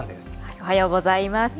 おはようございます。